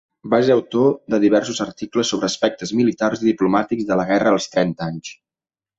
Va ser autor de diversos articles sobre aspectes militars i diplomàtics de la Guerra dels Trenta Anys.